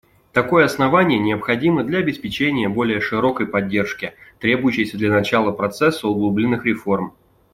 Такое основание необходимо для обеспечения более широкой поддержки, требующейся для начала процесса углубленных реформ.